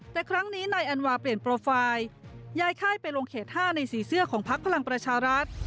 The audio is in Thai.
แต่ครั้งนี้นายอันวาเปลี่ยนโปรไฟล์ย้ายค่ายไปลงเขต๕ในสีเสื้อของพักพลังประชารัฐ